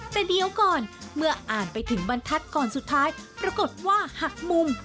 แต่เดี๋ยวก่อนเมื่ออ่านไปถึงบรรทัศน์ก่อนสุดท้ายปรากฏว่าหักมุม